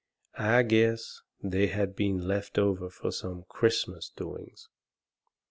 I guess they had been left over from some Christmas doings.